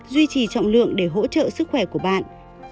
duy trì trọng lượng để hỗ trợ sức khỏe của bạn